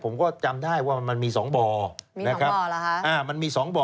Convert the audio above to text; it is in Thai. ผมก็จำได้ว่ามันมี๒บ่อ